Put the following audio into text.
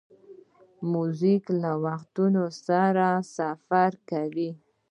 موزیک له وختونو سره سفر کوي.